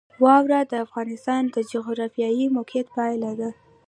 واوره د افغانستان د جغرافیایي موقیعت پایله ده.